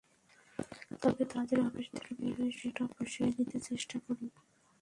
তবে তাড়াতাড়ি অফিস থেকে বের হয়ে সেটা পুষিয়ে দিতে চেষ্টা করি।